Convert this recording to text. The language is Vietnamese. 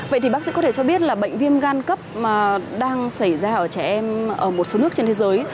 vậy thì bác sĩ có thể cho biết là bệnh viêm gan cấp mà đang xảy ra ở trẻ em ở một số nước trên thế giới